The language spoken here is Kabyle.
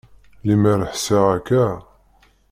Lemmer ḥṣiɣ akka.